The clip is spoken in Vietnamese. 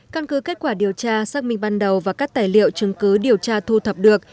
căn cứ kết quả điều tra xác minh ban đầu và các tài liệu chứng cứ điều tra thu thập được